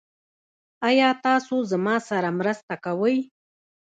ایا تاسو زما سره مرسته کوئ؟